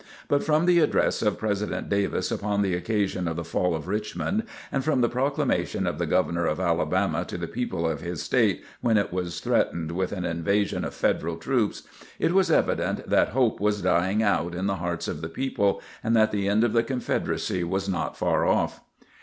But from the address of President Davis upon the occasion of the fall of Richmond, and from the proclamation of the Governor of Alabama to the people of his state when it was threatened with an invasion of Federal troops, it was evident that hope was dying out in the hearts of the people and that the end of the Confederacy was not far off.